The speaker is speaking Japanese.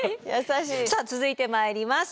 さあ続いてまいります。